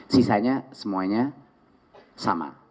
sisanya semuanya sama